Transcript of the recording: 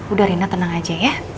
udah rina tenang aja ya